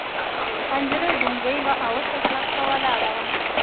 پنجره ګونګۍ وه او وچه کلکه ولاړه وه.